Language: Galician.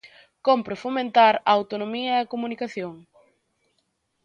Cómpre fomentar a autonomía e a comunicación.